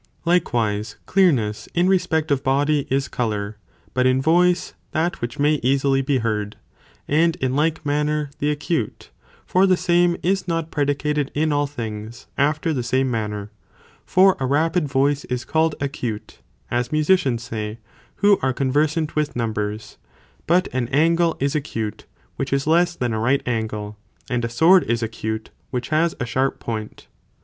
Likewise clearness * in respect of body, is colour, but in voice, that which may easily be heard, and in like manner the acute, for the same, is not predicated in all things, after the same manner, for a rapid voice is called acute, as musicians say, who are con versant with numbers ; but an angle is acute, which is less than a right angle, and a sword is acute, which has a sharp point.